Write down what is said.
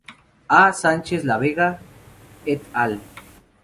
A. Sánchez-Lavega, et al.